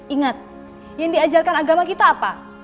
ingat yang diajarkan agama kita apa